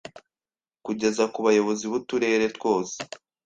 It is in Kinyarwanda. kugeza ku bayobozi b’uturere twose,